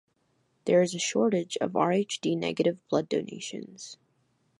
There is a shortage of Rhd-negative blood donations.